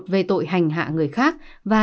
về tội hành hạ người khác và